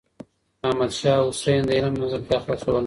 احمد شاه حسين د علم ملګرتيا خوښوله.